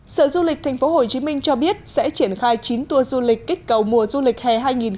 sở du lịch tp hcm cho biết sẽ triển khai chín tour du lịch kích cầu mùa du lịch hè hai nghìn hai mươi